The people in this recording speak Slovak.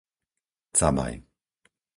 Cabaj